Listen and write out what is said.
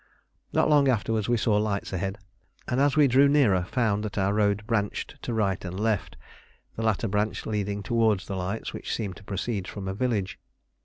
Not long afterwards we saw lights ahead, and as we drew nearer found that our road branched to right and left, the latter branch leading towards the lights which seemed to proceed from a village.